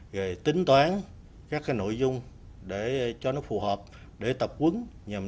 về tính toán các nội dung để cho nó phù hợp để tập quấn nhằm